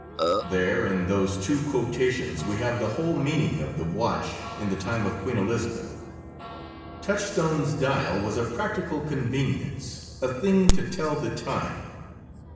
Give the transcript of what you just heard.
There, in those two quotations, we have the whole meaning of the watch in the time of Queen Elizabeth. Touchstone's dial was a practical convenience—a thing to tell the time.